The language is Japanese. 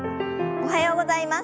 おはようございます。